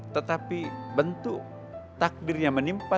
tetapi bentuk takdirnya menimpa